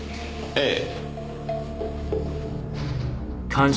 ええ。